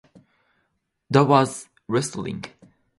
That was wrestling.